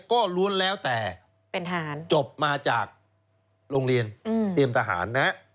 ก็รวมแล้วแต่จบมาจากโรงเรียนเตรียมทหาร